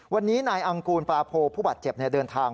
วันนี้นายอังกูลปลาโพผู้บาดเจ็บเดินทาง